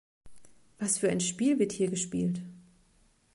Was für ein Spiel wird hier gespielt?